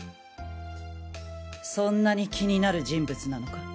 そんなに気になる人物なのか？